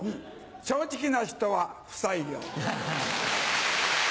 正直な人は不採用。